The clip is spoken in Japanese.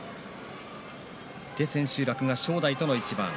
千秋楽は正代との一番。